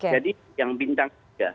jadi yang bintang tiga